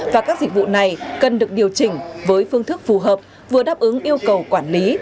và các dịch vụ này cần được điều chỉnh với phương thức phù hợp vừa đáp ứng yêu cầu quản lý